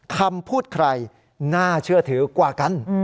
คำพูดใครน่าเชื่อถือกว่ากัน